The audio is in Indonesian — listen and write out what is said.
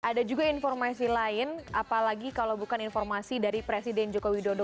ada juga informasi lain apalagi kalau bukan informasi dari presiden joko widodo